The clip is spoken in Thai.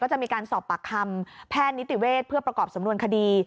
จะมีการสอบปากคำแพทย์นิติเวศเพื่อประกอบสำนวนคดี